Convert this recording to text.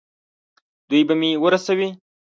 دوی به مې ورسوي.